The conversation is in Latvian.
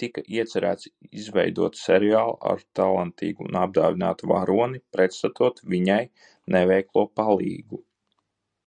Tika iecerēts izveidot seriālu ar talantīgu un apdāvinātu varoni, pretstatot viņai neveiklo palīgu.